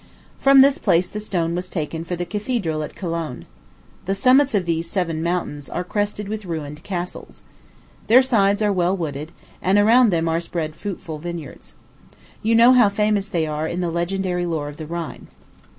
From this place the stone was taken for the Cathedral at Cologne. The summits of these seven mountains are crested with ruined castles. Their sides are well wooded, and around them are spread fruitful vineyards. You know how famous they are in the legendary lore of the Rhine.